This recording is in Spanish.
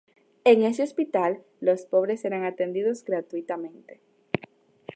En ese hospital, los pobres eran atendidos gratuitamente.